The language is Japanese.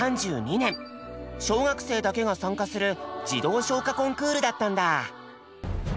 小学生だけが参加する「児童唱歌コンクール」だったんだ。